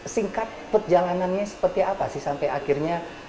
singkat perjalanannya seperti apa sih sampai akhirnya